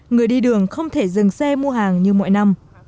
người đi đường không thể dừng xe mua hàng như mọi năm